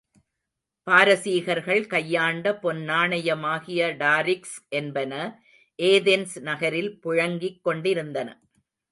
பாரசீகர்கள் கையாண்ட பொன் நாணயமாகிய டாரிக்ஸ் என்பன ஏதென்ஸ் நகரில் புழங் கிக் கொண்டிருந்தன.